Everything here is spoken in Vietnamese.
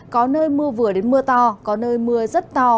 có nơi mưa vừa đến mưa to có nơi mưa rất to